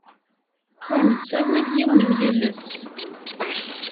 Ur nessawal yiwen n yiles.